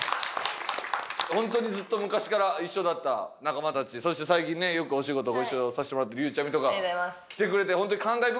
本当にずっと昔から一緒だった仲間たちそして最近ねよくお仕事ご一緒させてもらってるゆうちゃみとか来てくれて本当に感慨深いです。